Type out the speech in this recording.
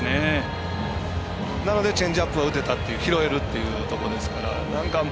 なので、チェンジアップは打てたという拾えるというところですから。